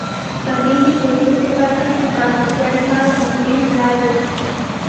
تعلیم د کلتور په برخه کې د پرمختیا لپاره مهم دی.